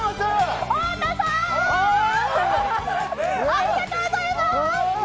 ありがとうございます！